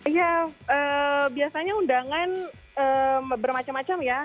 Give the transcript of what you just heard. ya biasanya undangan bermacam macam ya